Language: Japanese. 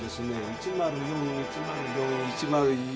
「１０４」「１０４」「１０４」。